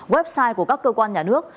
website của các cơ quan nhà nước